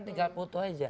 tinggal foto saja